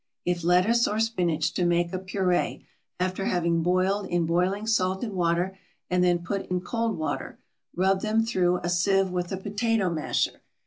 If lettuce or spinach, to make a puree, after having boiled in boiling salted water and then put in cold water, rub them through a sieve with a potato masher.